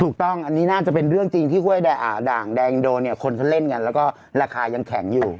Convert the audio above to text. ถูกต้องอันนี้น่าจะเป็นเรื่องจริงที่ห้วยด่างแดงอินโดเนี่ยคนเขาเล่นกันแล้วก็ราคายังแข็งอยู่